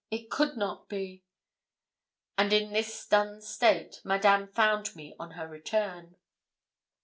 it could not be!' And in this stunned state Madame found me on her return.